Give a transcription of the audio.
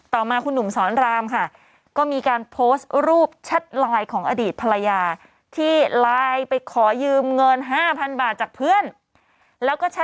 ต่อมาคุณหนุ่มสอนรามค่ะก็มีการโพสต์รูปชัดไลน์ของอดีตภรรยา